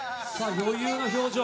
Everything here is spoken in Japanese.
余裕の表情。